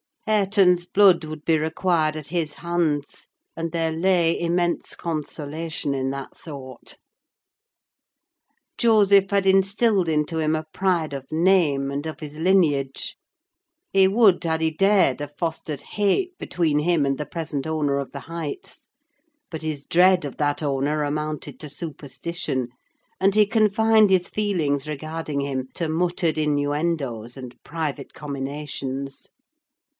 Hareton's blood would be required at his hands; and there lay immense consolation in that thought. Joseph had instilled into him a pride of name, and of his lineage; he would, had he dared, have fostered hate between him and the present owner of the Heights: but his dread of that owner amounted to superstition; and he confined his feelings regarding him to muttered innuendoes and private comminations.